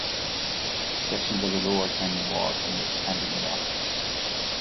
Sections of the lower canyon walls are made of Cambrian rock.